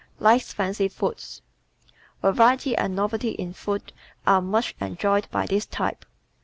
Likes Fancy Foods ¶ Variety and novelty in food are much enjoyed by this type.